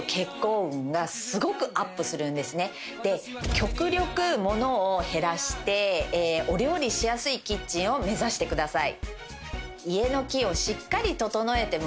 極力物を減らしてお料理しやすいキッチンを目指してください。